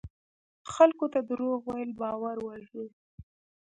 خلکو ته دروغ ویل باور وژني.